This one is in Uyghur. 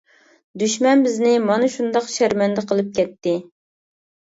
دۈشمەن بىزنى مانا شۇنداق شەرمەندە قىلىپ كەتتى!